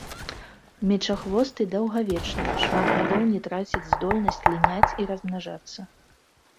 Мечахвосты даўгавечныя, шмат гадоў не трацяць здольнасць ліняць і размнажацца.